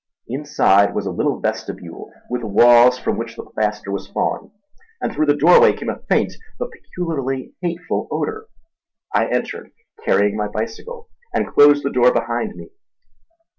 Inside was a little vestibule with walls from which the plaster was falling, and through the doorway came a faint but peculiarly hateful odour. I entered, carrying my bicycle, and closed the door behind me.